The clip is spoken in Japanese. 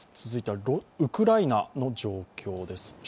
続いてはウクライナの状況です。